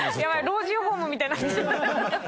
老人ホームみたいになってる。